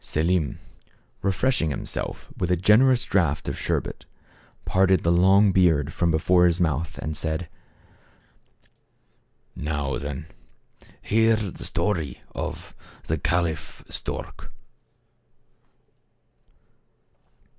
Selim, refreshing himself with a generous draught of sherbet, parted the long beard from before his mouth, and said : "Now, then, hear the story of the Caliph Stork."